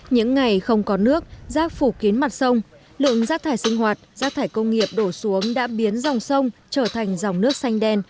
những ngày không có nước rác phủ kiến mặt sông lượng rác thải sinh hoạt rác thải công nghiệp đổ xuống đã biến dòng sông trở thành dòng nước xanh đen